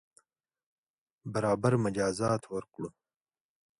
برابر مجازات ورکړو.